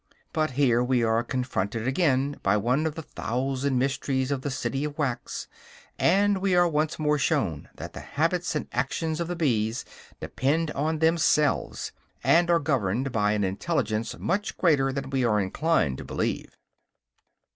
But here we are confronted again by one of the thousand mysteries of the city of wax; and we are once more shown that the habits and actions of the bees depend on themselves, and are governed by an intelligence much greater than we are inclined to believe.